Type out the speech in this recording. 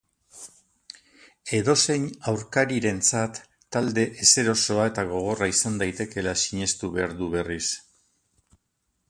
Edozein aurkarirentzat talde ezerosoa eta gogorra izan daitekeela sinestu behar du berriz.